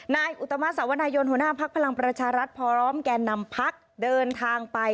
อุตมาสวนายนหัวหน้าพักพลังประชารัฐพร้อมแก่นำพักเดินทางไป